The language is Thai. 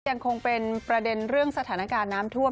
ยังคงเป็นประเด็นเรื่องสถานการณ์น้ำท่วม